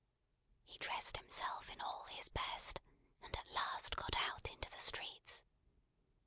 He dressed himself "all in his best," and at last got out into the streets.